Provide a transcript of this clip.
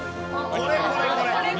これこれこれ！